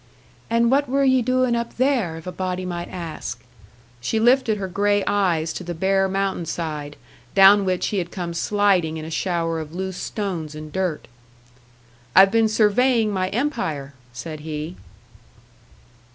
"And what were ye doin' up there, if a body might ask?" She lifted her grey eyes to the bare mountainside, down which he had come sliding in a shower of loose stones and dirt. "I've been surveying my empire," said he.